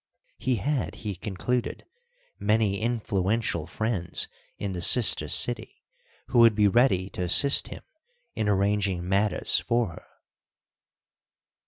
He had, he concluded, many influential friends in the sister city, who would be ready to assist him in arranging matters for her.